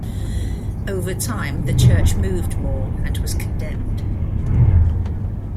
Over time the church moved more and was condemned.